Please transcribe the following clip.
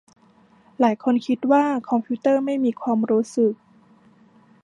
หลายคนคิดว่าคอมพิวเตอร์ไม่มีความรู้สึก